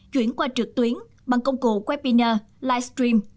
chuyển qua trực tuyến bằng công cụ webinar livestream